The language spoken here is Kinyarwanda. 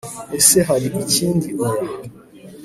ese Hari ikindi Oya